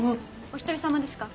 お一人様ですか？